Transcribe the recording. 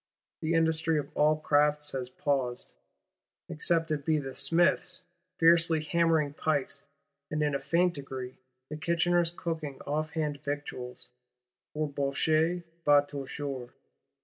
The industry of all crafts has paused;—except it be the smith's, fiercely hammering pikes; and, in a faint degree, the kitchener's, cooking off hand victuals; for bouche va toujours.